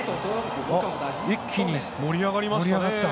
一気に盛り上がりましたね